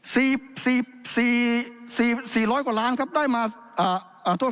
สี่สี่ร้อยกว่าล้านครับได้มาอ่าอ่าโทษ